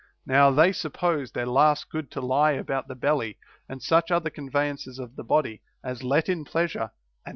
Now they suppose their last good to lie about the belly and such other conveyances of the body as let in pleasure and not * Odyss.